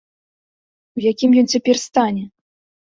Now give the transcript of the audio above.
У якім ён цяпер стане?